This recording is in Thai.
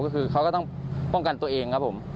ก็คือเขาก็ต้องป้องกันตัวเองครับผม